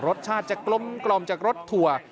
รสชาติจะกลมจากรสถั่ว